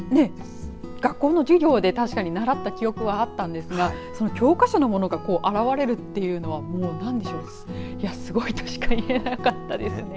学校の授業で確かに習った記憶はあったんですが教科書のものが現れるというのは何でしょうすごいとしか言えなかったですね。